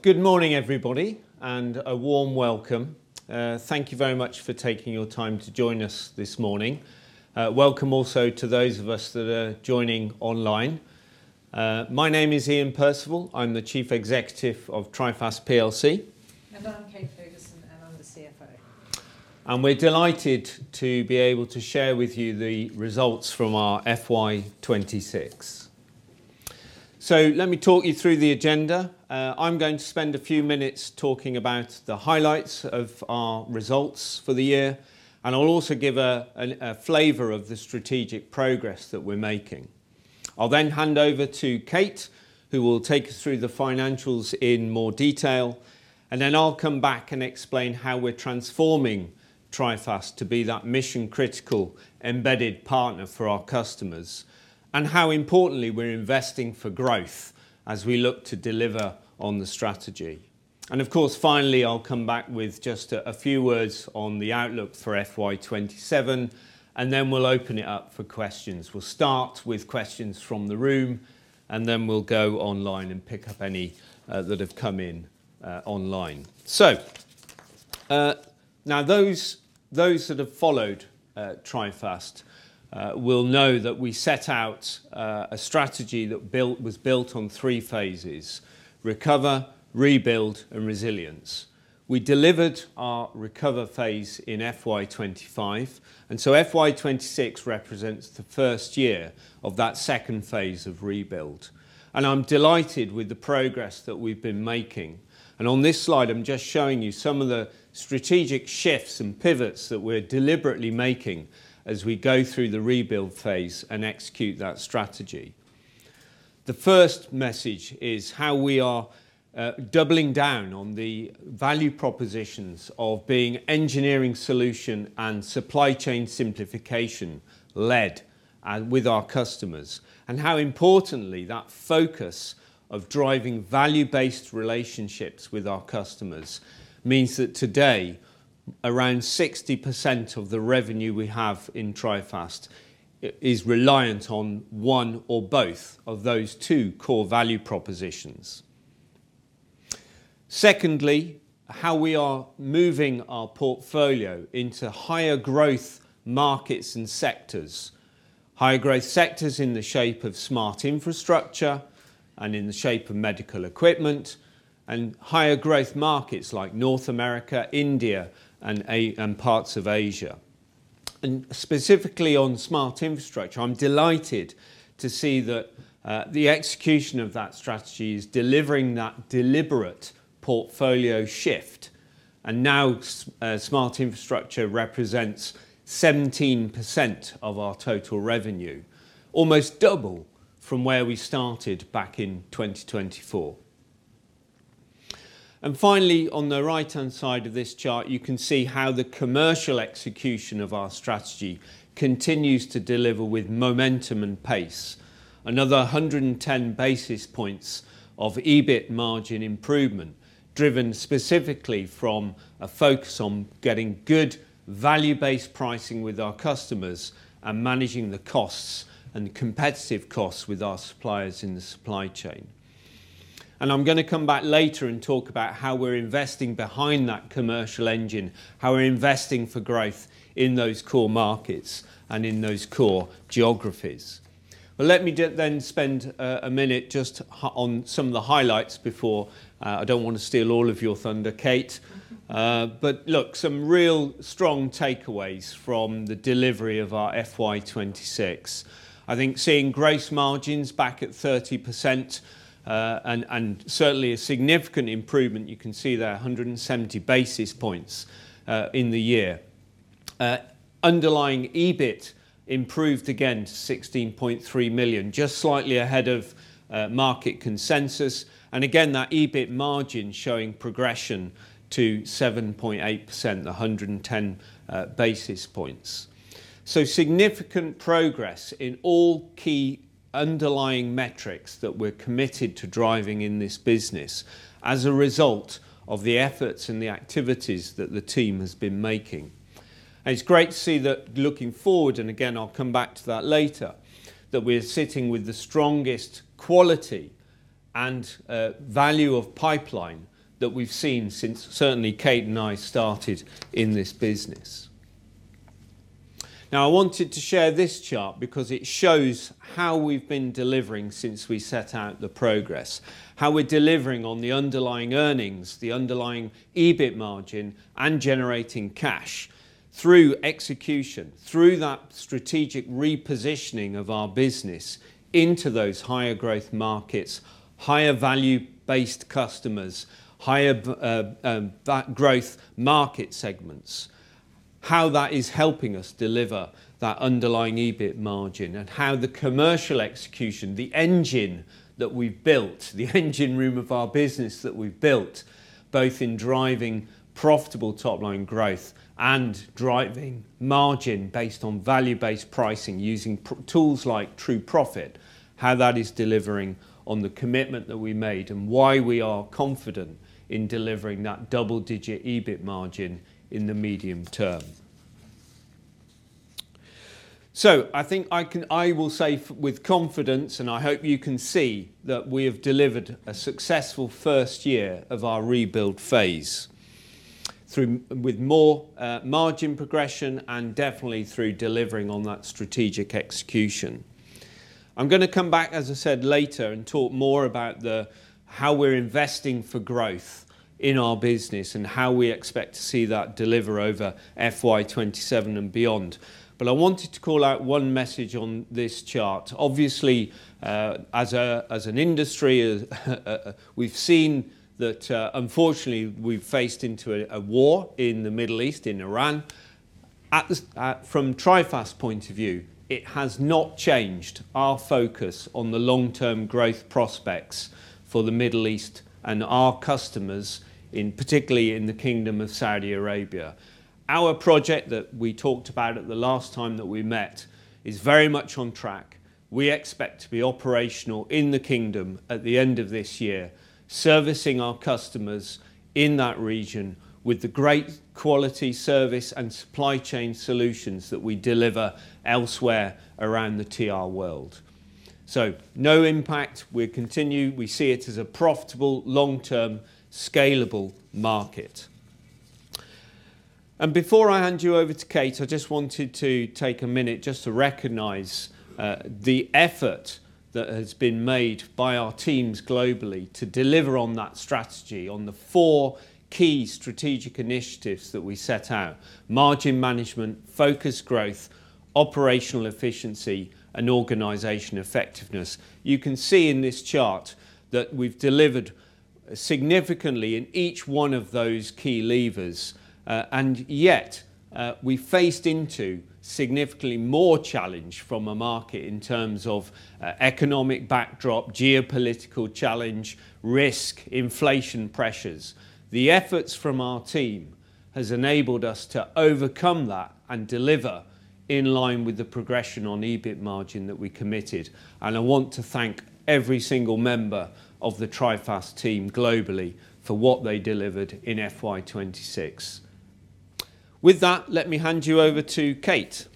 Good morning, everybody, a warm welcome. Thank you very much for taking your time to join us this morning. Welcome also to those of us that are joining online. My name is Iain Percival. I'm the Chief Executive of Trifast plc. I'm Kate Ferguson, and I'm the CFO. We're delighted to be able to share with you the results from our FY 2026. Let me talk you through the agenda. I'm going to spend a few minutes talking about the highlights of our results for the year, and I'll also give a flavor of the strategic progress that we're making. I'll then hand over to Kate, who will take us through the financials in more detail, then I'll come back and explain how we're transforming Trifast to be that mission-critical embedded partner for our customers, and how importantly we're investing for growth as we look to deliver on the strategy. Of course, finally, I'll come back with just a few words on the outlook for FY 2027, then we'll open it up for questions. We'll start with questions from the room, then we'll go online and pick up any that have come in online. Now those that have followed Trifast will know that we set out a strategy that was built on three phases, recover, rebuild, and resilience. We delivered our recover phase in FY 2025, FY 2026 represents the first year of that second phase of rebuild. I'm delighted with the progress that we've been making. On this slide, I'm just showing you some of the strategic shifts and pivots that we're deliberately making as we go through the rebuild phase and execute that strategy. The first message is how we are doubling down on the value propositions of being engineering solution and supply chain simplification led with our customers, and how importantly, that focus of driving value-based relationships with our customers means that today, around 60% of the revenue we have in Trifast is reliant on one or both of those two core value propositions. Secondly, how we are moving our portfolio into higher growth markets and sectors. Higher growth sectors in the shape of smart infrastructure and in the shape of medical equipment, higher growth markets like North America, India, and parts of Asia. Specifically on smart infrastructure, I'm delighted to see that the execution of that strategy is delivering that deliberate portfolio shift. Now, smart infrastructure represents 17% of our total revenue, almost double from where we started back in 2024. Finally, on the right-hand side of this chart, you can see how the commercial execution of our strategy continues to deliver with momentum and pace. Another 110 basis points of EBIT margin improvement, driven specifically from a focus on getting good value-based pricing with our customers and managing the costs and competitive costs with our suppliers in the supply chain. I'm going to come back later and talk about how we're investing behind that commercial engine, how we're investing for growth in those core markets and in those core geographies. Let me then spend a minute just on some of the highlights before I don't want to steal all of your thunder, Kate. Look, some real strong takeaways from the delivery of our FY 2026. I think seeing gross margins back at 30% and certainly a significant improvement, you can see there, 170 basis points in the year. Underlying EBIT improved again to 16.3 million, just slightly ahead of market consensus. Again, that EBIT margin showing progression to 7.8%, 110 basis points. Significant progress in all key underlying metrics that we're committed to driving in this business as a result of the efforts and the activities that the team has been making. It's great to see that looking forward, and again, I'll come back to that later, that we're sitting with the strongest quality and value of pipeline that we've seen since certainly Kate and I started in this business. Now, I wanted to share this chart because it shows how we've been delivering since we set out the progress, how we're delivering on the underlying earnings, the underlying EBIT margin, and generating cash through execution, through that strategic repositioning of our business into those higher growth markets, higher value-based customers, higher growth market segments. How that is helping us deliver that underlying EBIT margin, and how the commercial execution, the engine that we've built, the engine room of our business that we've built, both in driving profitable top-line growth and driving margin based on value-based pricing using tools like TrueProfit, how that is delivering on the commitment that we made and why we are confident in delivering that double-digit EBIT margin in the medium term. I think I will say with confidence, and I hope you can see, that we have delivered a successful first year of our rebuild phase with more margin progression and definitely through delivering on that strategic execution. I'm going to come back, as I said, later and talk more about how we're investing for growth in our business and how we expect to see that deliver over FY 2027 and beyond. I wanted to call out one message on this chart. Obviously, as an industry, we've seen that, unfortunately, we've faced into a war in the Middle East, in Iran. From Trifast's point of view, it has not changed our focus on the long-term growth prospects for the Middle East and our customers, particularly in the Kingdom of Saudi Arabia. Our project that we talked about at the last time that we met is very much on track. We expect to be operational in the Kingdom at the end of this year, servicing our customers in that region with the great quality service and supply chain solutions that we deliver elsewhere around the TR world. No impact. We see it as a profitable, long-term, scalable market. Before I hand you over to Kate, I just wanted to take a minute just to recognize the effort that has been made by our teams globally to deliver on that strategy, on the four key strategic initiatives that we set out, margin management, focused growth, operational efficiency, and organization effectiveness. You can see in this chart that we've delivered significantly in each one of those key levers. Yet, we faced into significantly more challenge from a market in terms of economic backdrop, geopolitical challenge, risk, inflation pressures. The efforts from our team has enabled us to overcome that and deliver in line with the progression on EBIT margin that we committed. I want to thank every single member of the Trifast team globally for what they delivered in FY 2026. With that, let me hand you over to Kate.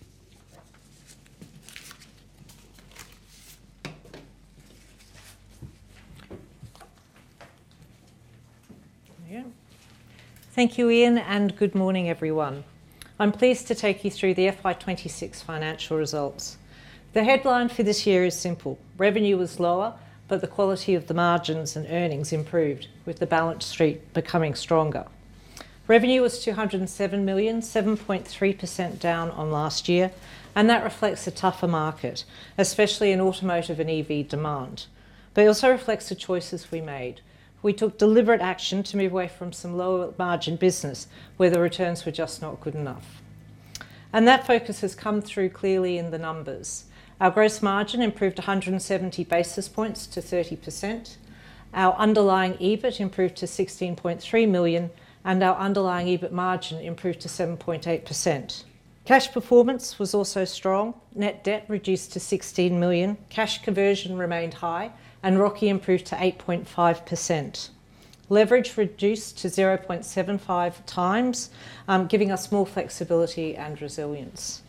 Thank you, Iain, and good morning, everyone. I'm pleased to take you through the FY 2026 financial results. The headline for this year is simple. Revenue was lower, the quality of the margins and earnings improved, with the balance sheet becoming stronger. Revenue was 207 million, 7.3% down on last year, that reflects a tougher market, especially in automotive and EV demand. It also reflects the choices we made. We took deliberate action to move away from some lower margin business where the returns were just not good enough. That focus has come through clearly in the numbers. Our gross margin improved 170 basis points to 30%. Our underlying EBIT improved to 16.3 million, our underlying EBIT margin improved to 7.8%. Cash performance was also strong. Net debt reduced to 16 million. Cash conversion remained high, ROCE improved to 8.5%. Leverage reduced to 0.75x, giving us more flexibility and resilience.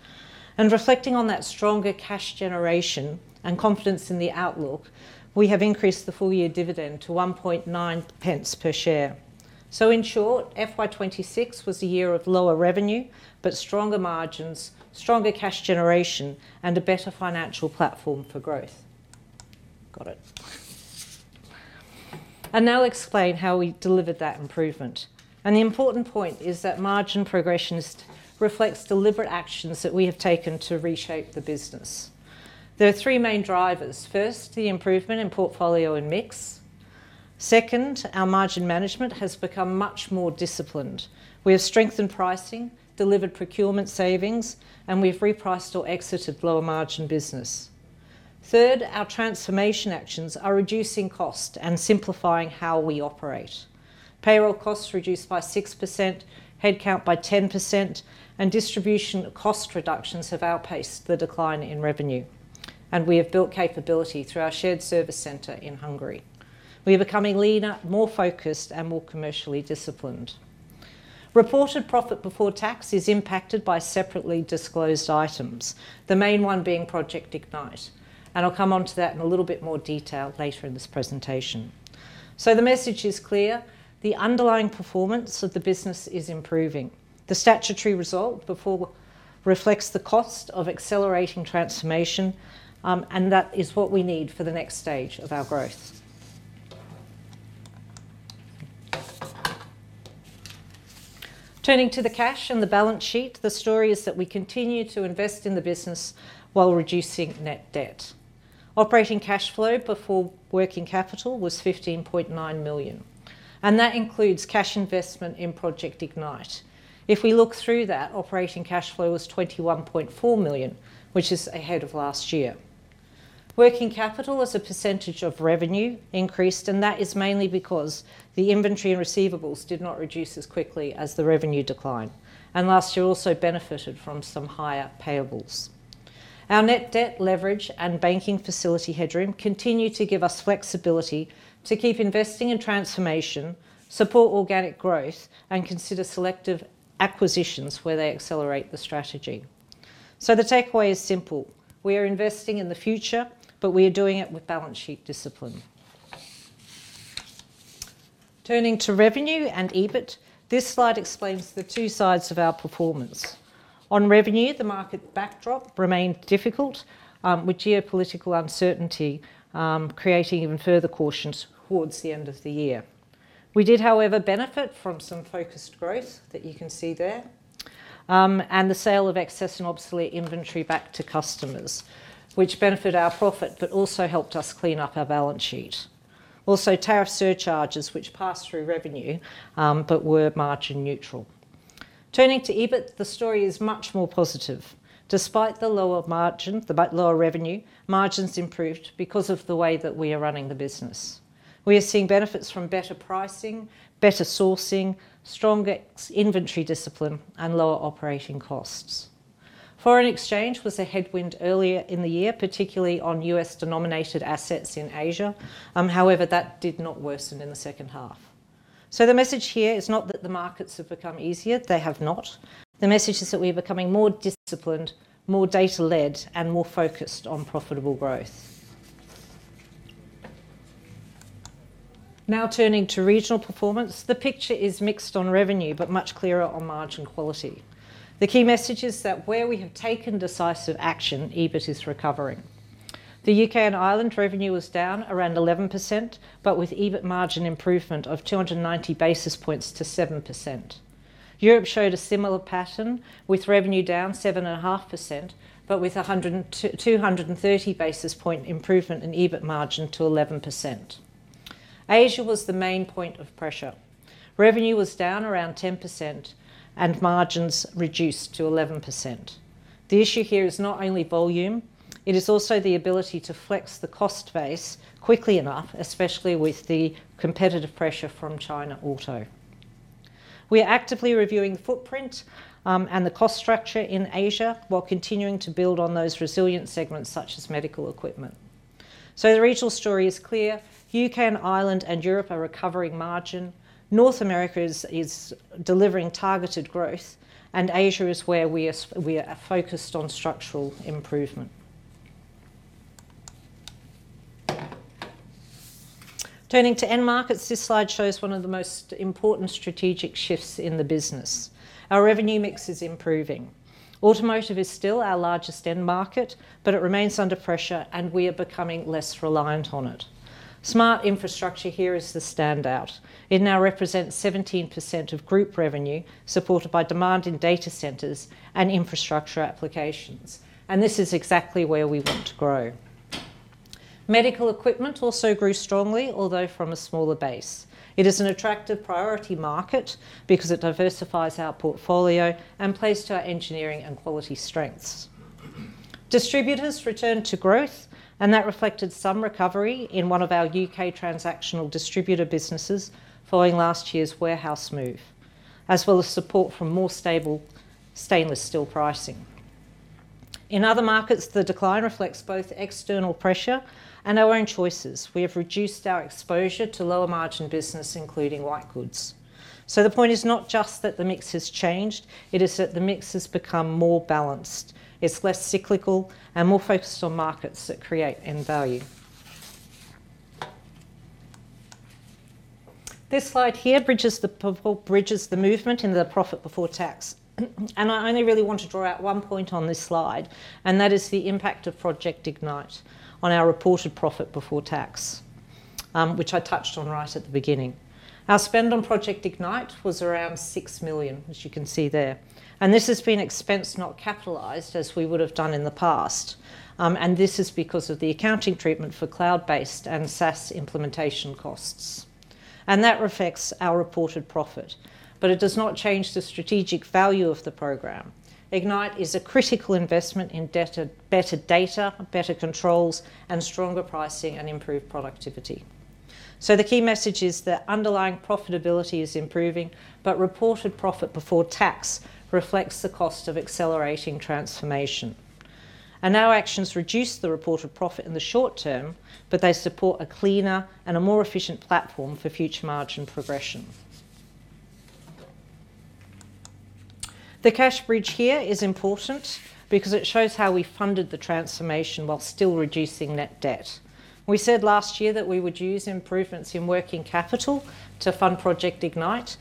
Reflecting on that stronger cash generation and confidence in the outlook, we have increased the full-year dividend to 0.019 per share. In short, FY 2026 was a year of lower revenue, stronger margins, stronger cash generation, and a better financial platform for growth. Got it. I'll explain how we delivered that improvement. The important point is that margin progression reflects deliberate actions that we have taken to reshape the business. There are three main drivers. First, the improvement in portfolio and mix. Second, our margin management has become much more disciplined. We have strengthened pricing, delivered procurement savings, we've repriced or exited lower margin business. Third, our transformation actions are reducing cost and simplifying how we operate. Payroll costs reduced by 6%, headcount by 10%, distribution cost reductions have outpaced the decline in revenue. We have built capability through our shared service center in Hungary. We are becoming leaner, more focused, and more commercially disciplined. Reported profit before tax is impacted by separately disclosed items, the main one being Project Ignite. I'll come onto that in a little bit more detail later in this presentation. The message is clear. The underlying performance of the business is improving. The statutory result reflects the cost of accelerating transformation, that is what we need for the next stage of our growth. Turning to the cash and the balance sheet, the story is that we continue to invest in the business while reducing net debt. Operating cash flow before working capital was 15.9 million, that includes cash investment in Project Ignite. If we look through that, operating cash flow was 21.4 million, which is ahead of last year. Working capital as a percentage of revenue increased, that is mainly because the inventory and receivables did not reduce as quickly as the revenue decline. Last year also benefited from some higher payables. Our net debt leverage and banking facility headroom continue to give us flexibility to keep investing in transformation, support organic growth, and consider selective acquisitions where they accelerate the strategy. The takeaway is simple. We are investing in the future, but we are doing it with balance sheet discipline. Turning to revenue and EBIT, this slide explains the two sides of our performance. On revenue, the market backdrop remained difficult, with geopolitical uncertainty creating even further cautions towards the end of the year. We did, however, benefit from some focused growth that you can see there, and the sale of excess and obsolete inventory back to customers, which benefited our profit but also helped us clean up our balance sheet. Also, tariff surcharges, which passed through revenue, but were margin neutral. Turning to EBIT, the story is much more positive. Despite the lower revenue, margins improved because of the way that we are running the business. We are seeing benefits from better pricing, better sourcing, stronger inventory discipline, and lower operating costs. Foreign exchange was a headwind earlier in the year, particularly on U.S. denominated assets in Asia. However, that did not worsen in the second half. The message here is not that the markets have become easier. They have not. The message is that we are becoming more disciplined, more data-led, and more focused on profitable growth. Now turning to regional performance, the picture is mixed on revenue, but much clearer on margin quality. The key message is that where we have taken decisive action, EBIT is recovering. The U.K. and Ireland revenue was down around 11%, but with EBIT margin improvement of 290 basis points to 7%. Europe showed a similar pattern, with revenue down 7.5%, but with a 230 basis point improvement in EBIT margin to 11%. Asia was the main point of pressure. Revenue was down around 10%, and margins reduced to 11%. The issue here is not only volume, it is also the ability to flex the cost base quickly enough, especially with the competitive pressure from China Auto. We are actively reviewing the footprint and the cost structure in Asia while continuing to build on those resilient segments such as medical equipment. The regional story is clear. U.K. and Ireland and Europe are recovering margin, North America is delivering targeted growth, Asia is where we are focused on structural improvement. Turning to end markets, this slide shows one of the most important strategic shifts in the business. Our revenue mix is improving. Automotive is still our largest end market, but it remains under pressure, and we are becoming less reliant on it. Smart infrastructure here is the standout. It now represents 17% of group revenue, supported by demand in data centers and infrastructure applications. This is exactly where we want to grow. Medical equipment also grew strongly, although from a smaller base. It is an attractive priority market because it diversifies our portfolio and plays to our engineering and quality strengths. Distributors returned to growth. That reflected some recovery in one of our U.K. transactional distributor businesses following last year's warehouse move, as well as support from more stable stainless steel pricing. In other markets, the decline reflects both external pressure and our own choices. We have reduced our exposure to lower margin business, including white goods. The point is not just that the mix has changed, it is that the mix has become more balanced. It's less cyclical and more focused on markets that create end value. This slide here bridges the movement in the profit before tax. I only really want to draw out one point on this slide, that is the impact of Project Ignite on our reported profit before tax, which I touched on right at the beginning. Our spend on Project Ignite was around 6 million, as you can see there. This has been expensed, not capitalized, as we would have done in the past. This is because of the accounting treatment for cloud-based and SaaS implementation costs. That affects our reported profit, but it does not change the strategic value of the program. Ignite is a critical investment in better data, better controls, and stronger pricing and improved productivity. The key message is that underlying profitability is improving, but reported profit before tax reflects the cost of accelerating transformation. Our actions reduce the reported profit in the short term, but they support a cleaner and a more efficient platform for future margin progression. The cash bridge here is important because it shows how we funded the transformation while still reducing net debt. We said last year that we would use improvements in working capital to fund Project Ignite.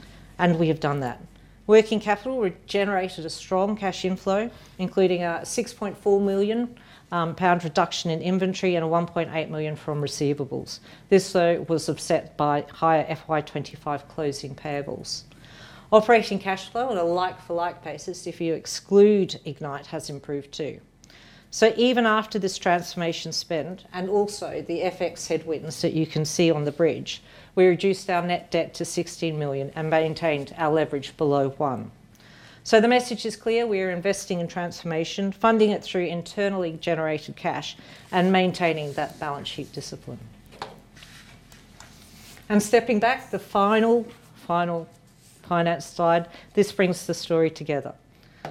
We have done that. Working capital regenerated a strong cash inflow, including a 6.4 million pound reduction in inventory and a 1.8 million from receivables. This, though, was offset by higher FY 2025 closing payables. Operating cash flow on a like-for-like basis, if you exclude Ignite, has improved too. Even after this transformation spend and also the FX headwinds that you can see on the bridge, we reduced our net debt to 16 million and maintained our leverage below one. The message is clear. We are investing in transformation, funding it through internally generated cash, maintaining that balance sheet discipline. Stepping back, the final finance slide, this brings the story together.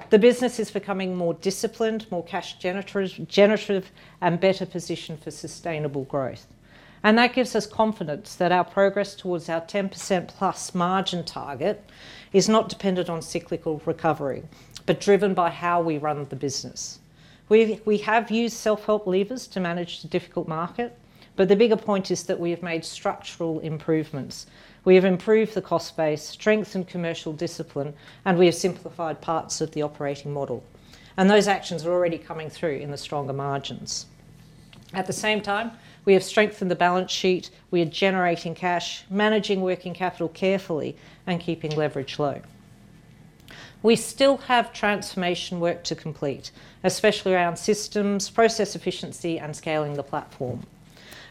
The business is becoming more disciplined, more cash generative, and better positioned for sustainable growth. That gives us confidence that our progress towards our 10%+ margin target is not dependent on cyclical recovery, but driven by how we run the business. We have used self-help levers to manage the difficult market, but the bigger point is that we have made structural improvements. We have improved the cost base, strengthened commercial discipline, and we have simplified parts of the operating model. Those actions are already coming through in the stronger margins. At the same time, we have strengthened the balance sheet, we are generating cash, managing working capital carefully and keeping leverage low. We still have transformation work to complete, especially around systems, process efficiency and scaling the platform.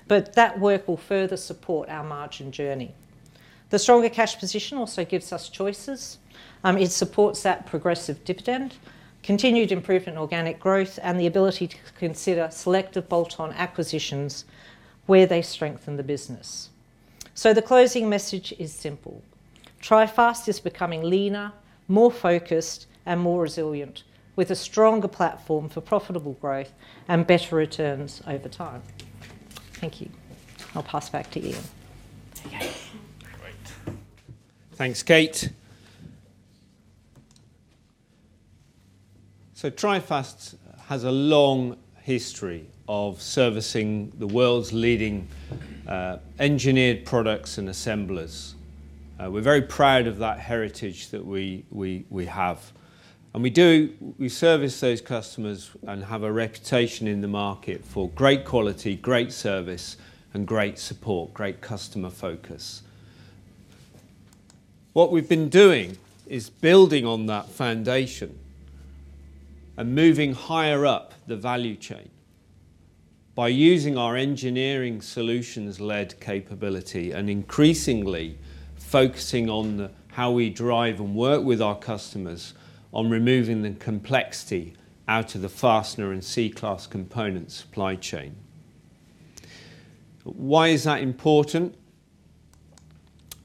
That work will further support our margin journey. The stronger cash position also gives us choices. It supports that progressive dividend, continued improvement in organic growth, and the ability to consider selective bolt-on acquisitions where they strengthen the business. The closing message is simple. Trifast is becoming leaner, more focused and more resilient, with a stronger platform for profitable growth and better returns over time. Thank you. I'll pass back to Iain. Great. Thanks, Kate. Trifast has a long history of servicing the world's leading engineered products and assemblers. We're very proud of that heritage that we have. We service those customers and have a reputation in the market for great quality, great service and great support, great customer focus. What we've been doing is building on that foundation and moving higher up the value chain by using our engineering solutions-led capability, and increasingly focusing on how we drive and work with our customers on removing the complexity out of the fastener and C-class component supply chain. Why is that important?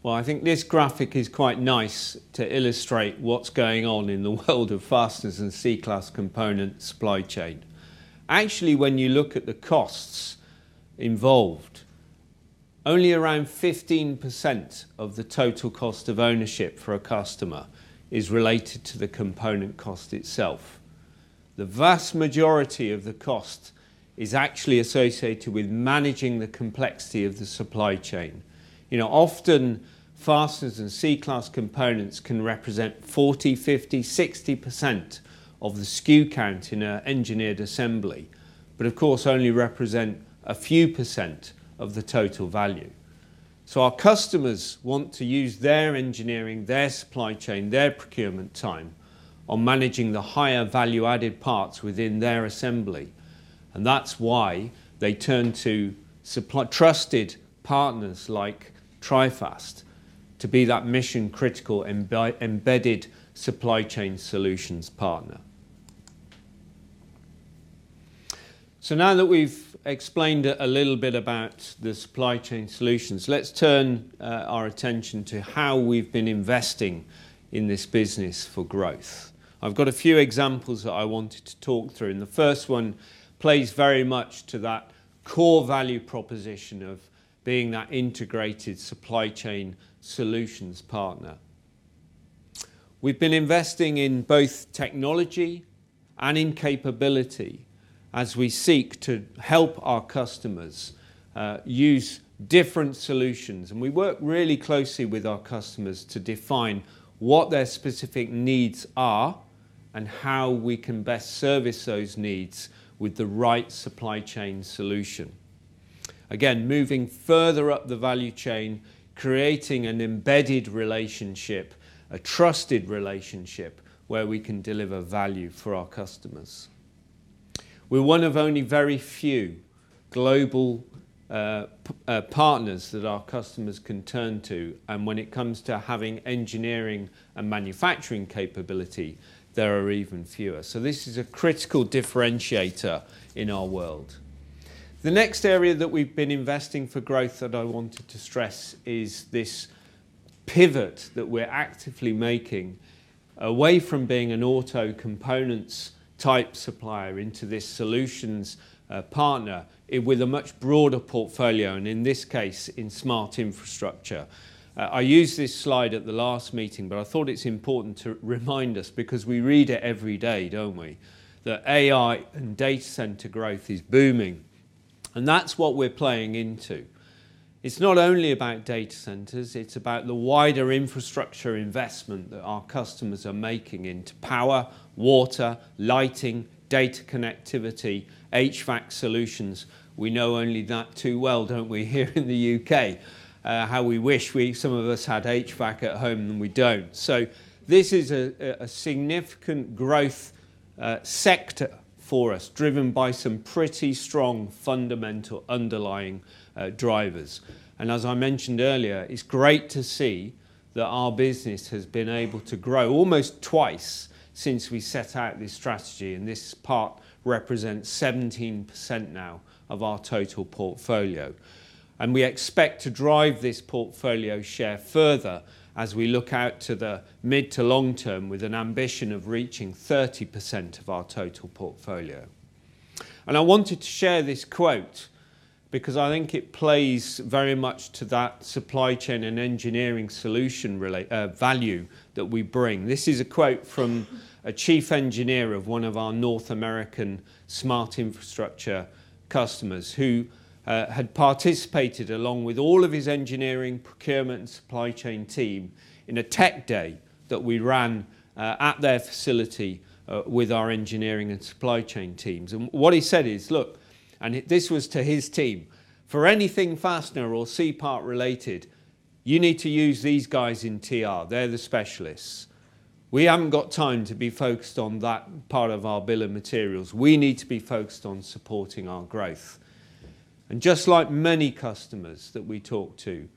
Well, I think this graphic is quite nice to illustrate what's going on in the world of fasteners and C-class component supply chain. Actually, when you look at the costs involved, only around 15% of the total cost of ownership for a customer is related to the component cost itself. The vast majority of the cost is actually associated with managing the complexity of the supply chain. Often fasteners and C-class components can represent 40%, 50%, 60% of the SKU count in an engineered assembly, but of course, only represent a few percent of the total value. Our customers want to use their engineering, their supply chain, their procurement time on managing the higher value-added parts within their assembly. That's why they turn to trusted partners like Trifast to be that mission-critical embedded supply chain solutions partner. Now that we've explained a little bit about the supply chain solutions, let's turn our attention to how we've been investing in this business for growth. I've got a few examples that I wanted to talk through. The first one plays very much to that core value proposition of being that integrated supply chain solutions partner. We've been investing in both technology and in capability as we seek to help our customers use different solutions. We work really closely with our customers to define what their specific needs are and how we can best service those needs with the right supply chain solution. Again, moving further up the value chain, creating an embedded relationship, a trusted relationship where we can deliver value for our customers. We're one of only very few global partners that our customers can turn to, and when it comes to having engineering and manufacturing capability, there are even fewer. This is a critical differentiator in our world. The next area that we've been investing for growth that I wanted to stress is this pivot that we're actively making away from being an auto components type supplier into this solutions partner with a much broader portfolio, and in this case, in smart infrastructure. I used this slide at the last meeting, but I thought it's important to remind us because we read it every day, don't we? That AI and data center growth is booming. That's what we're playing into. It's not only about data centers, it's about the wider infrastructure investment that our customers are making into power, water, lighting, data connectivity, HVAC solutions. We know only that too well, don't we here in the U.K. How we wish some of us had HVAC at home, and we don't. This is a significant growth sector for us, driven by some pretty strong fundamental underlying drivers. As I mentioned earlier, it's great to see that our business has been able to grow almost twice since we set out this strategy, and this part represents 17% now of our total portfolio. We expect to drive this portfolio share further as we look out to the mid to long term with an ambition of reaching 30% of our total portfolio. I wanted to share this quote because I think it plays very much to that supply chain and engineering solution value that we bring. This is a quote from a chief engineer of one of our North American smart infrastructure customers who had participated, along with all of his engineering, procurement and supply chain team, in a tech day that we ran at their facility with our engineering and supply chain teams. What he said is, "Look." This was to his team. For anything fastener or C-part related, you need to use these guys in TR. They're the specialists. We haven't got time to be focused on that part of our bill of materials. We need to be focused on supporting our growth." Just like many customers that we talk to,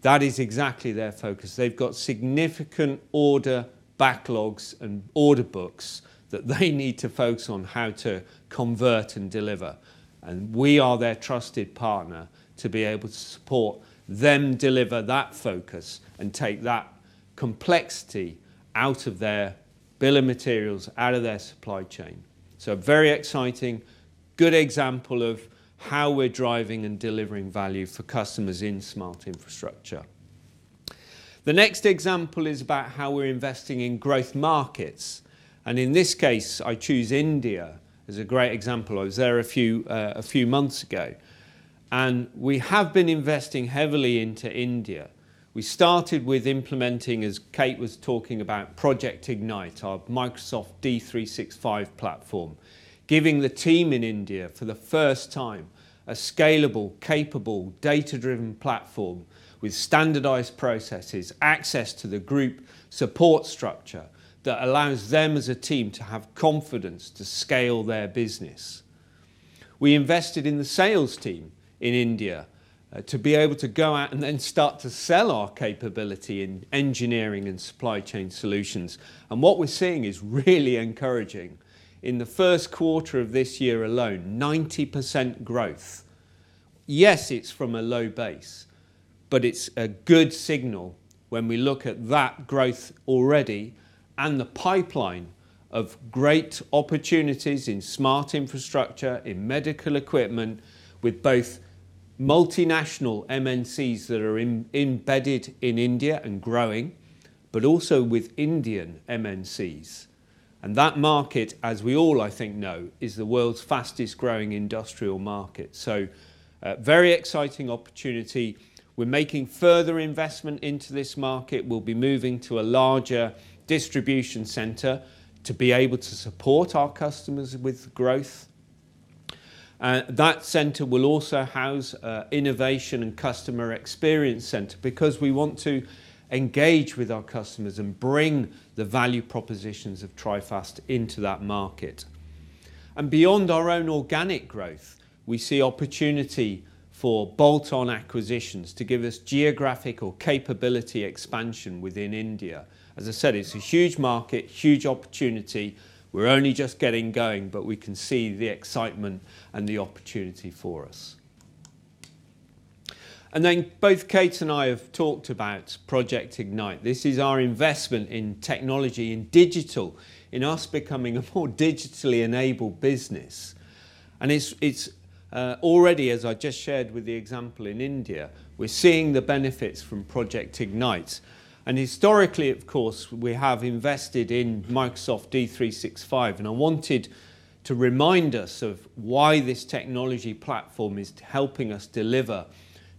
that is exactly their focus. They've got significant order backlogs and order books that they need to focus on how to convert and deliver. We are their trusted partner to be able to support them deliver that focus and take that complexity out of their bill of materials, out of their supply chain. Very exciting. Good example of how we're driving and delivering value for customers in smart infrastructure. The next example is about how we're investing in growth markets. In this case, I choose India as a great example. I was there a few months ago. We have been investing heavily into India. We started with implementing, as Kate was talking about, Project Ignite, our Microsoft D365 platform. Giving the team in India, for the first time, a scalable, capable, data-driven platform with standardized processes, access to the group support structure that allows them as a team to have confidence to scale their business. We invested in the sales team in India to be able to go out and then start to sell our capability in engineering and supply chain solutions. What we're seeing is really encouraging. In the first quarter of this year alone, 90% growth. Yes, it's from a low base, but it's a good signal when we look at that growth already and the pipeline of great opportunities in smart infrastructure, in medical equipment with both multinational MNCs that are embedded in India and growing, also with Indian MNCs. That market, as we all I think know, is the world's fastest growing industrial market. A very exciting opportunity. We're making further investment into this market. We'll be moving to a larger distribution center to be able to support our customers with growth. That center will also house an innovation and customer experience center because we want to engage with our customers and bring the value propositions of Trifast into that market. Beyond our own organic growth, we see opportunity for bolt-on acquisitions to give us geographic or capability expansion within India. As I said, it's a huge market, huge opportunity. We're only just getting going, but we can see the excitement and the opportunity for us. Both Kate and I have talked about Project Ignite. This is our investment in technology, in digital, in us becoming a more digitally enabled business. It's already, as I just shared with the example in India, we're seeing the benefits from Project Ignite. Historically, of course, we have invested in Microsoft D365. I wanted to remind us of why this technology platform is helping us deliver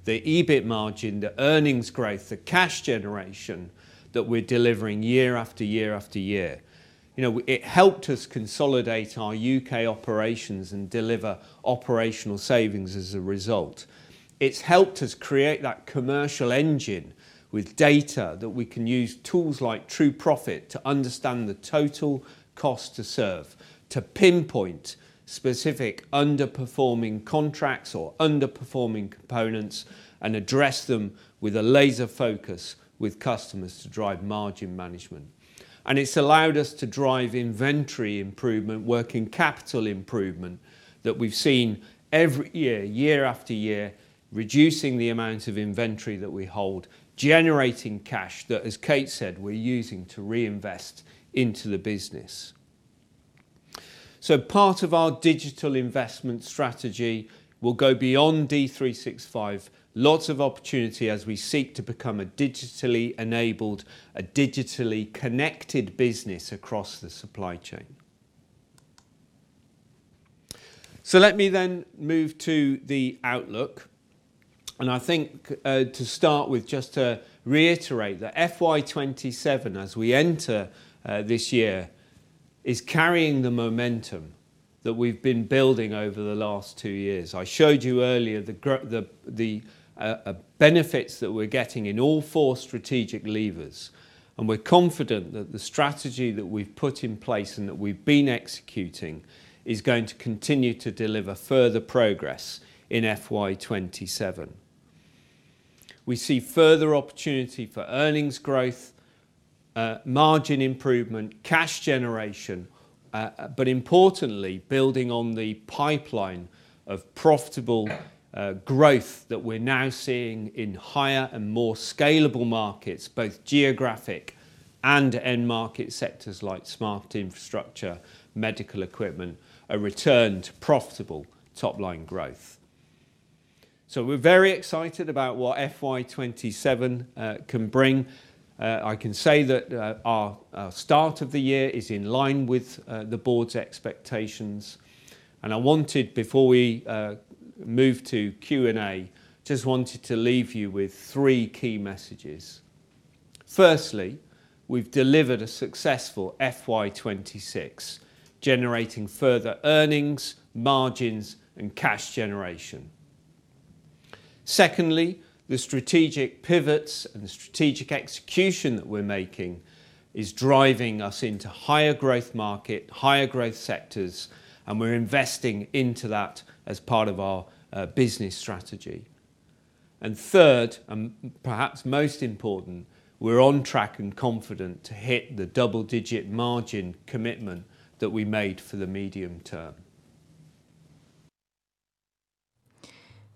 the EBIT margin, the earnings growth, the cash generation that we're delivering year after year after year. It helped us consolidate our U.K. operations and deliver operational savings as a result. It's helped us create that commercial engine with data that we can use tools like TrueProfit to understand the total cost to serve, to pinpoint specific underperforming contracts or underperforming components and address them with a laser focus with customers to drive margin management. It's allowed us to drive inventory improvement, working capital improvement that we've seen every year-after-year, reducing the amount of inventory that we hold, generating cash that, as Kate said, we're using to reinvest into the business. Part of our digital investment strategy will go beyond D365. Lots of opportunity as we seek to become a digitally enabled, a digitally connected business across the supply chain. Let me then move to the outlook. I think to start with, just to reiterate that FY 2027 as we enter this year, is carrying the momentum that we've been building over the last two years. I showed you earlier the benefits that we're getting in all four strategic levers. We're confident that the strategy that we've put in place and that we've been executing is going to continue to deliver further progress in FY 2027. We see further opportunity for earnings growth, margin improvement, cash generation, but importantly, building on the pipeline of profitable growth that we're now seeing in higher and more scalable markets, both geographic and end market sectors like smart infrastructure, medical equipment, a return to profitable top line growth. We're very excited about what FY 2027 can bring. I can say that our start of the year is in line with the board's expectations, and I wanted, before we move to Q&A, to leave you with three key messages. Firstly, we've delivered a successful FY 2026, generating further earnings, margins, and cash generation. Secondly, the strategic pivots and the strategic execution that we're making is driving us into higher growth market, higher growth sectors, and we're investing into that as part of our business strategy. Third, and perhaps most important, we're on track and confident to hit the double-digit margin commitment that we made for the medium term.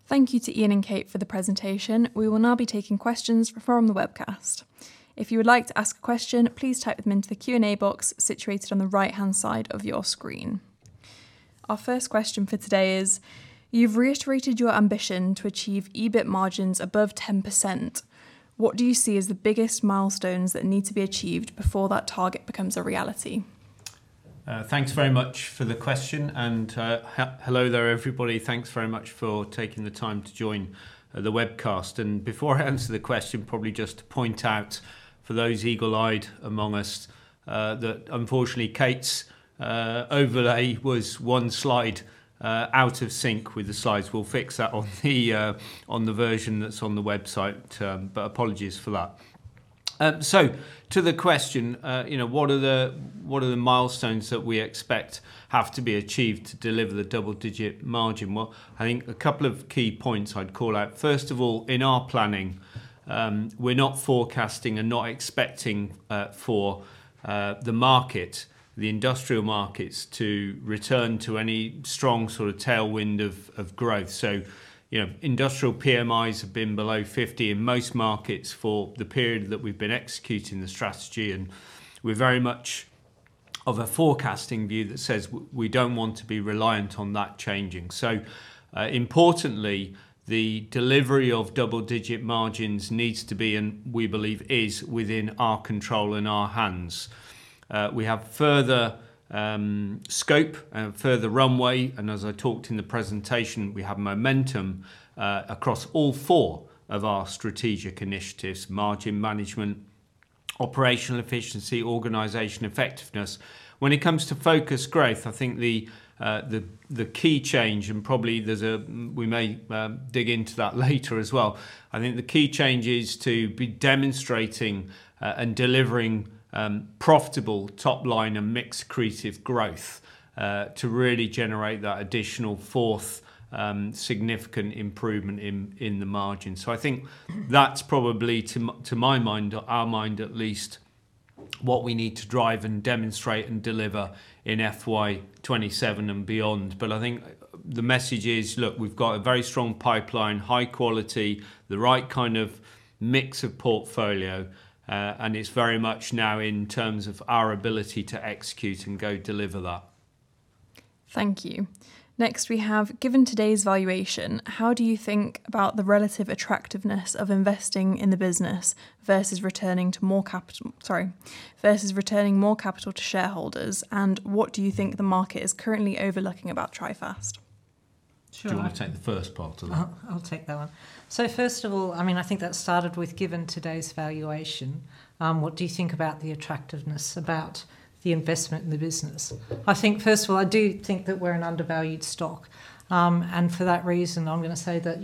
Thank you to Iain and Kate for the presentation. We will now be taking questions from the webcast. If you would like to ask a question, please type them into the Q&A box situated on the right-hand side of your screen. Our first question for today is: You've reiterated your ambition to achieve EBIT margins above 10%. What do you see as the biggest milestones that need to be achieved before that target becomes a reality? Thanks very much for the question. Hello there, everybody. Thanks very much for taking the time to join the webcast. Before I answer the question, probably just to point out for those eagle-eyed among us, that unfortunately, Kate's overlay was one slide out of sync with the slides. We'll fix that on the version that's on the website. Apologies for that. To the question, what are the milestones that we expect have to be achieved to deliver the double-digit margin? I think a couple of key points I'd call out. First of all, in our planning, we're not forecasting and not expecting for the market, the industrial markets, to return to any strong sort of tailwind of growth. Industrial PMIs have been below 50 in most markets for the period that we've been executing the strategy, and we're very much of a forecasting view that says we don't want to be reliant on that changing. Importantly, the delivery of double-digit margins needs to be, and we believe is, within our control and our hands. We have further scope and further runway, and as I talked in the presentation, we have momentum across all four of our strategic initiatives: margin management, operational efficiency, Organization Effectiveness. When it comes to focused growth, I think the key change, and probably we may dig into that later as well, I think the key change is to be demonstrating and delivering profitable top line and mix-accretive growth to really generate that additional fourth significant improvement in the margin. I think that's probably, to my mind, our mind at least, what we need to drive and demonstrate and deliver in FY 2027 and beyond. I think the message is, look, we've got a very strong pipeline, high quality, the right kind of mix of portfolio, and it's very much now in terms of our ability to execute and go deliver that. Thank you. Next we have: Given today's valuation, how do you think about the relative attractiveness of investing in the business versus returning more capital to shareholders? What do you think the market is currently overlooking about Trifast? Do you want to take the first part of that? I'll take that one. First of all, I do think that started with, given today's valuation, what do you think about the attractiveness about the investment in the business? I do think that we're an undervalued stock. For that reason, I'm going to say that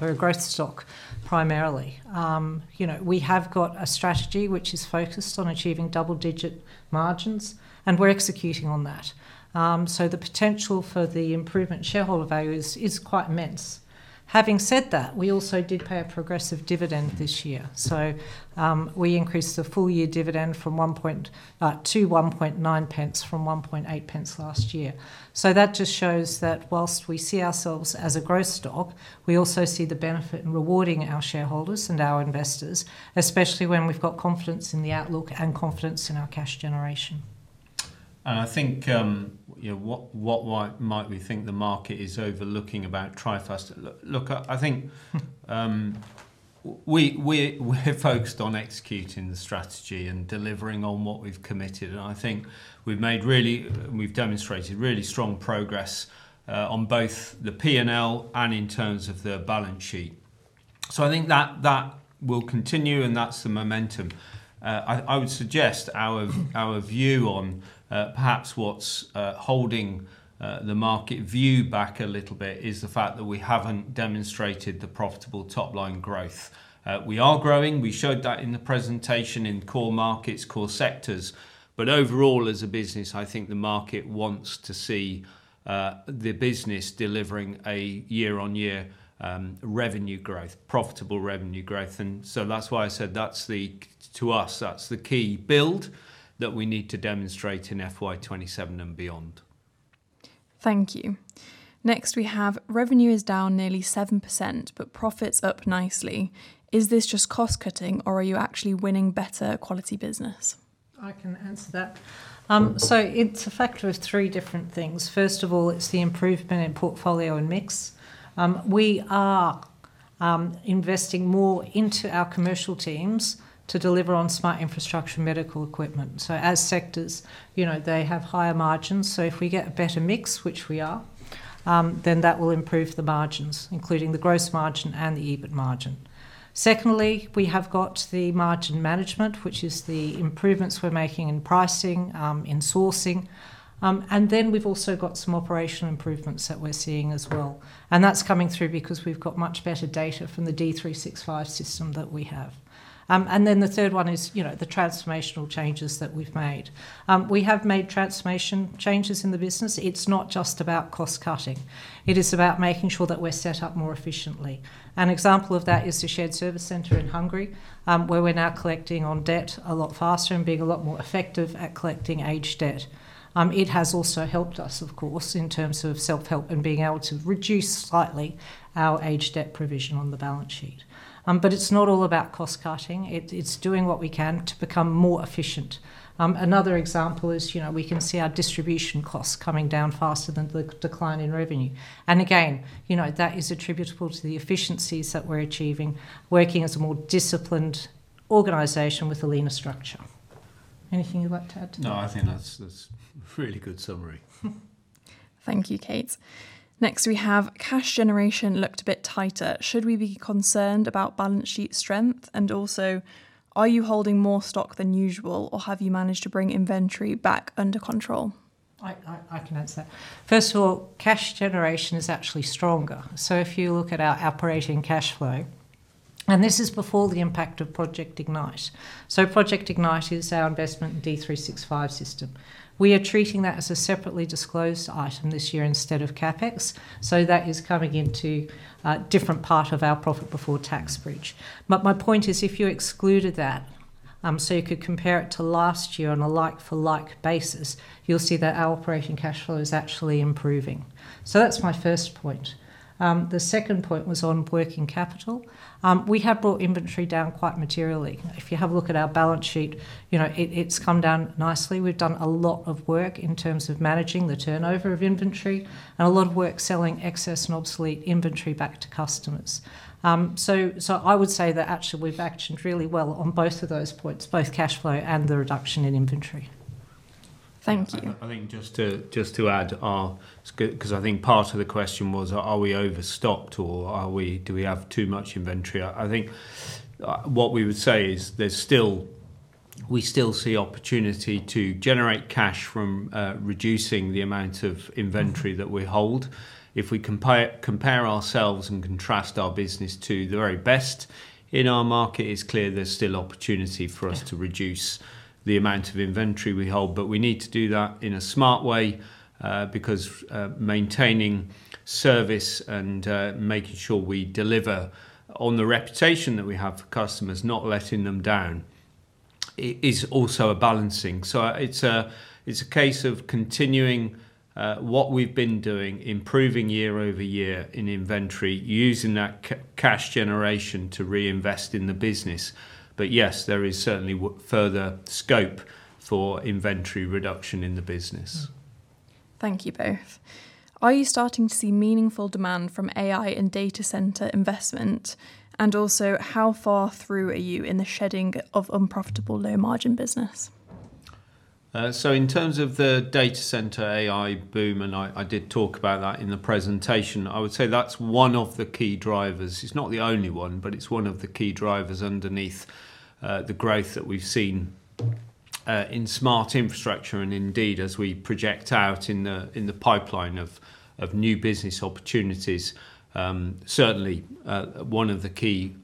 we're a growth stock primarily. We have got a strategy which is focused on achieving double-digit margins, and we're executing on that. The potential for the improvement in shareholder value is quite immense. Having said that, we also did pay a progressive dividend this year. We increased the full-year dividend to 0.019 from 0.018 last year. That just shows that whilst we see ourselves as a growth stock, we also see the benefit in rewarding our shareholders and our investors, especially when we've got confidence in the outlook and confidence in our cash generation. I think what might we think the market is overlooking about Trifast. Look, I think we're focused on executing the strategy and delivering on what we've committed, and I think we've demonstrated really strong progress on both the P&L and in terms of the balance sheet. I think that will continue, and that's the momentum. I would suggest our view on perhaps what's holding the market view back a little bit is the fact that we haven't demonstrated the profitable top-line growth. We are growing. We showed that in the presentation in core markets, core sectors. Overall, as a business, I think the market wants to see the business delivering a year-on-year revenue growth, profitable revenue growth. That's why I said to us, that's the key build that we need to demonstrate in FY 2027 and beyond. Thank you. Next we have, "Revenue is down nearly 7%, profits up nicely. Is this just cost-cutting or are you actually winning better quality business? I can answer that. It's a factor of three different things. First of all, it's the improvement in portfolio and mix. We are investing more into our commercial teams to deliver on smart infrastructure and medical equipment. As sectors, they have higher margins, if we get a better mix, which we are, then that will improve the margins, including the gross margin and the EBIT margin. Secondly, we have got the margin management, which is the improvements we're making in pricing, in sourcing. We've also got some operational improvements that we're seeing as well, and that's coming through because we've got much better data from the D365 system that we have. The third one is the transformational changes that we've made. We have made transformation changes in the business. It's not just about cost-cutting. It is about making sure that we're set up more efficiently. An example of that is the shared service center in Hungary, where we're now collecting on debt a lot faster and being a lot more effective at collecting aged debt. It has also helped us, of course, in terms of self-help and being able to reduce slightly our aged debt provision on the balance sheet. It's not all about cost-cutting. It's doing what we can to become more efficient. Another example is we can see our distribution costs coming down faster than the decline in revenue. Again, that is attributable to the efficiencies that we're achieving working as a more disciplined organization with a leaner structure. Anything you'd like to add to that? No, I think that's a really good summary. Thank you, Kate. Next we have, "Cash generation looked a bit tighter. Should we be concerned about balance sheet strength? Also, are you holding more stock than usual, or have you managed to bring inventory back under control? I can answer that. First of all, cash generation is actually stronger. If you look at our operating cash flow, and this is before the impact of Project Ignite. Project Ignite is our investment in D365 system. We are treating that as a separately disclosed item this year instead of CapEx. That is coming into a different part of our profit before tax bridge. My point is, if you excluded that, you could compare it to last year on a like-for-like basis, you'll see that our operating cash flow is actually improving. That's my first point. The second point was on working capital. We have brought inventory down quite materially. If you have a look at our balance sheet, it's come down nicely. We've done a lot of work in terms of managing the turnover of inventory and a lot of work selling excess and obsolete inventory back to customers. I would say that actually we've actioned really well on both of those points, both cash flow and the reduction in inventory. Thank you. I think just to add, because I think part of the question was, are we overstocked or do we have too much inventory? I think what we would say is we still see opportunity to generate cash from reducing the amount of inventory that we hold. If we compare ourselves and contrast our business to the very best in our market, it's clear there's still opportunity for us to reduce the amount of inventory we hold. We need to do that in a smart way, because maintaining service and making sure we deliver on the reputation that we have for customers, not letting them down, is also a balancing. It's a case of continuing what we've been doing, improving year-over-year in inventory, using that cash generation to reinvest in the business. Yes, there is certainly further scope for inventory reduction in the business. Thank you both. "Are you starting to see meaningful demand from AI and data center investment? Also, how far through are you in the shedding of unprofitable low-margin business? In terms of the data center AI boom, and I did talk about that in the presentation, I would say that's one of the key drivers. It's not the only one, but it's one of the key drivers underneath the growth that we've seen in smart infrastructure and indeed, as we project out in the pipeline of new business opportunities. Certainly, one of the key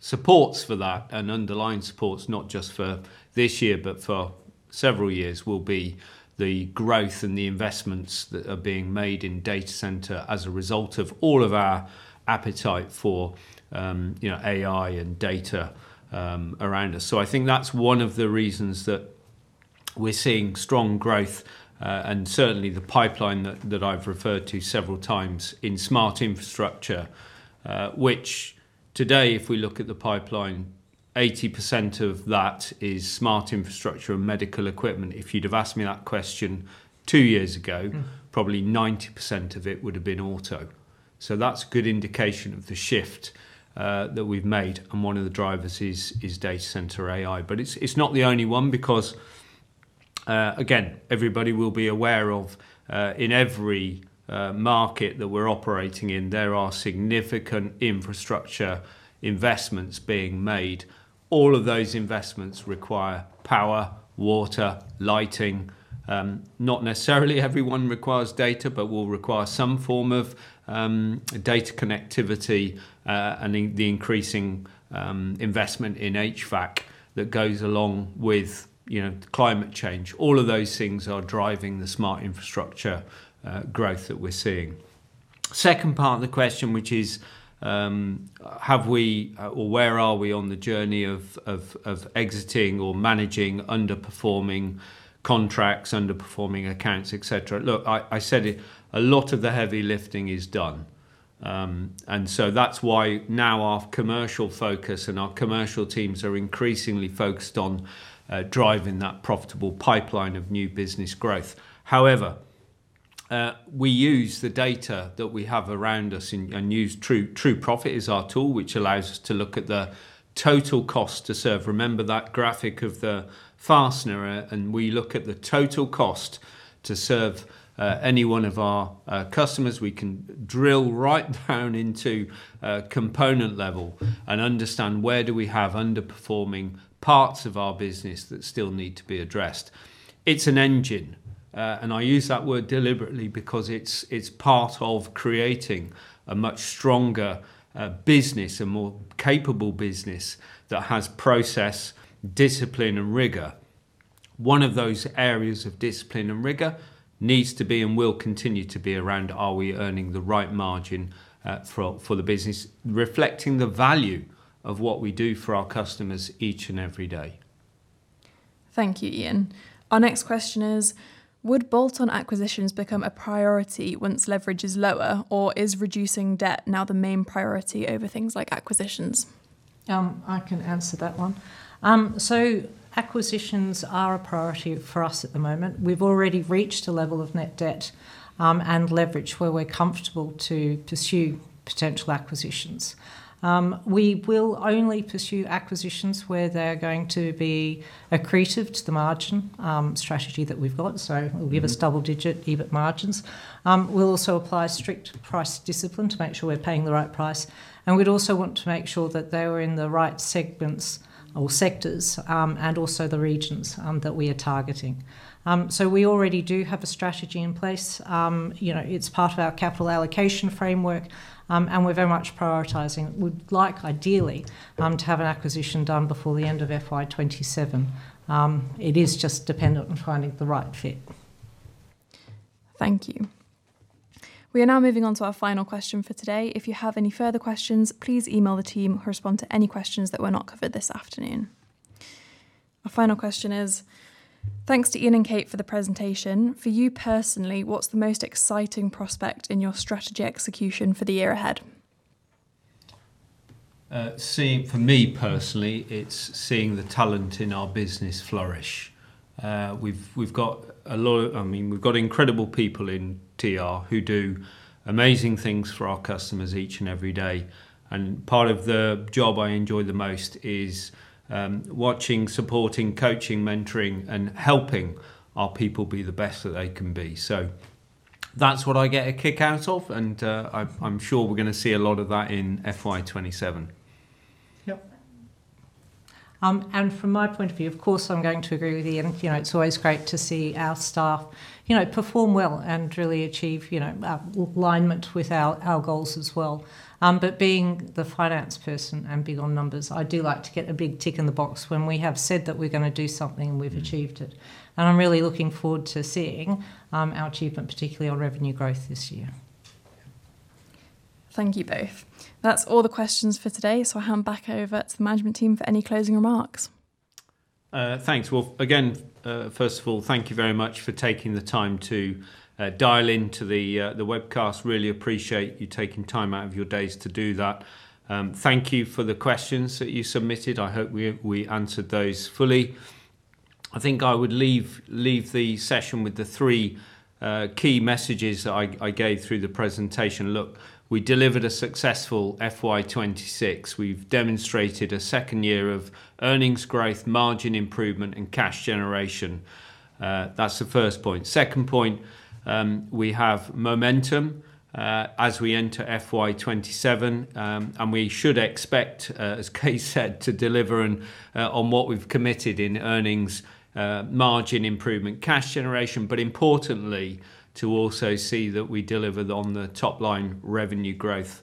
supports for that, and underlying supports, not just for this year, but for several years, will be the growth and the investments that are being made in data center as a result of all of our appetite for AI and data around us. I think that's one of the reasons that we're seeing strong growth, and certainly the pipeline that I've referred to several times in smart infrastructure, which today, if we look at the pipeline, 80% of that is smart infrastructure and medical equipment. If you'd have asked me that question two years ago, probably 90% of it would have been auto. That's a good indication of the shift that we've made, and one of the drivers is data center AI. It's not the only one because Again, everybody will be aware of, in every market that we're operating in, there are significant infrastructure investments being made. All of those investments require power, water, lighting. Not necessarily every one requires data, but will require some form of data connectivity, and the increasing investment in HVAC that goes along with climate change. All of those things are driving the smart infrastructure growth that we're seeing. Second part of the question, which is where are we on the journey of exiting or managing underperforming contracts, underperforming accounts, et cetera? Look, I said it, a lot of the heavy lifting is done. That's why now our commercial focus and our commercial teams are increasingly focused on driving that profitable pipeline of new business growth. However, we use the data that we have around us, and TrueProfit is our tool, which allows us to look at the total cost to serve. Remember that graphic of the fastener, and we look at the total cost to serve any one of our customers. We can drill right down into component level and understand where do we have underperforming parts of our business that still need to be addressed. It's an engine, and I use that word deliberately because it's part of creating a much stronger business, a more capable business that has process, discipline, and rigor. One of those areas of discipline and rigor needs to be and will continue to be around are we earning the right margin for the business, reflecting the value of what we do for our customers each and every day. Thank you, Iain. Our next question is, "Would bolt-on acquisitions become a priority once leverage is lower, or is reducing debt now the main priority over things like acquisitions? I can answer that one. Acquisitions are a priority for us at the moment. We've already reached a level of net debt and leverage where we're comfortable to pursue potential acquisitions. We will only pursue acquisitions where they're going to be accretive to the margin strategy that we've got. We'll give us double-digit EBIT margins. We'll also apply strict price discipline to make sure we're paying the right price. We'd also want to make sure that they are in the right segments or sectors, and also the regions that we are targeting. We already do have a strategy in place. It's part of our capital allocation framework, and we're very much prioritizing. We'd like ideally to have an acquisition done before the end of FY 2027. It is just dependent on finding the right fit. Thank you. We are now moving on to our final question for today. If you have any further questions, please email the team who will respond to any questions that were not covered this afternoon. Our final question is, "Thanks to Iain and Kate for the presentation. For you personally, what's the most exciting prospect in your strategy execution for the year ahead? For me personally, it's seeing the talent in our business flourish. We've got incredible people in TR who do amazing things for our customers each and every day. Part of the job I enjoy the most is watching, supporting, coaching, mentoring, and helping our people be the best that they can be. That's what I get a kick out of, and I'm sure we're going to see a lot of that in FY 2027. Yep. From my point of view, of course, I'm going to agree with Iain. It's always great to see our staff perform well and really achieve alignment with our goals as well. Being the finance person and big on numbers, I do like to get a big tick in the box when we have said that we're going to do something and we've achieved it. I'm really looking forward to seeing our achievement, particularly on revenue growth this year. Thank you both. That's all the questions for today, so I'll hand back over to the management team for any closing remarks. Thanks. Well, again, first of all, thank you very much for taking the time to dial into the webcast. Really appreciate you taking time out of your days to do that. Thank you for the questions that you submitted. I hope we answered those fully. I think I would leave the session with the three key messages that I gave through the presentation. Look, we delivered a successful FY 2026. We've demonstrated a second year of earnings growth, margin improvement, and cash generation. That's the first point. Second point, we have momentum as we enter FY 2027. We should expect, as Kate said, to deliver on what we've committed in earnings, margin improvement, cash generation, but importantly, to also see that we deliver on the top-line revenue growth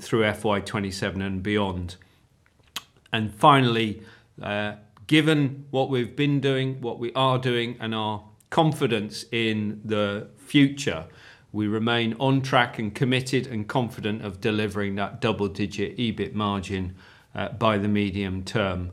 through FY 2027 and beyond. Finally, given what we've been doing, what we are doing, and our confidence in the future, we remain on track and committed and confident of delivering that double-digit EBIT margin by the medium term.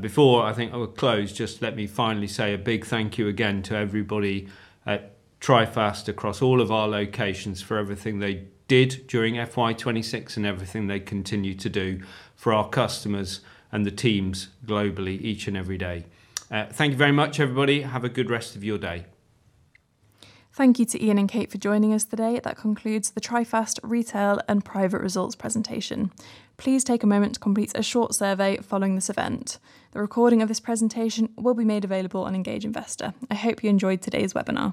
Before I think I will close, just let me finally say a big thank you again to everybody at Trifast across all of our locations for everything they did during FY 2026 and everything they continue to do for our customers and the teams globally each and every day. Thank you very much, everybody. Have a good rest of your day. Thank you to Iain and Kate for joining us today. That concludes the Trifast Retail and Private Results Presentation. Please take a moment to complete a short survey following this event. The recording of this presentation will be made available on Engage Investor. I hope you enjoyed today's webinar